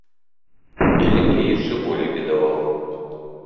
Беленькі яшчэ болей бедаваў.